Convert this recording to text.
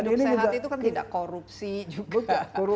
hidup sehat itu kan tidak korupsi juga